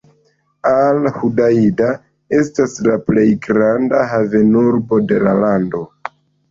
Al-Hudaida estas la plej granda havenurbo de la lando.